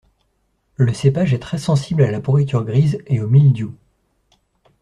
Le cépage est très sensible à la pourriture grise et au mildiou.